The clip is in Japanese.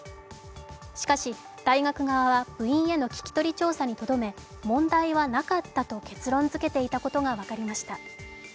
しかし大学側は部員への聞き取り調査にとどめ問題はなかったと結論づけていたことが分かりました。